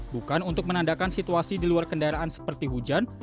bukan untuk menandakan situasi di luar kendaraan seperti hujan